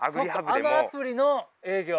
あのアプリの営業？